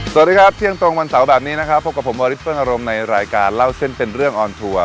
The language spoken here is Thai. สวัสดีครับเที่ยงตรงวันเสาร์แบบนี้นะครับพบกับผมวาริสเฟิลอารมณ์ในรายการเล่าเส้นเป็นเรื่องออนทัวร์